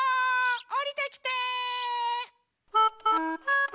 おりてきて！